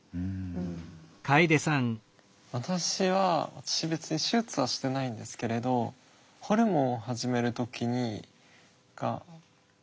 私は別に手術はしてないんですけれどホルモンを始める時に何か焦ってやったんですよ。